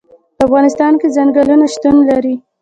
په افغانستان کې ځنګلونه شتون لري.